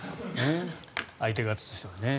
相手方としてはね。